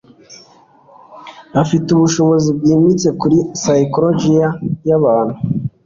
Afite ubushishozi bwimbitse kuri psychologiya yabantu